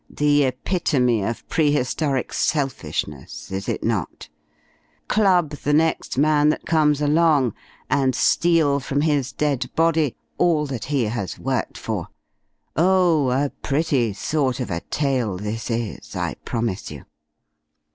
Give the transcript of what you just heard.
The epitome of prehistoric selfishness, is it not? Club the next man that comes along, and steal from his dead body all that he has worked for. Oh, a pretty sort of a tale this is, I promise you!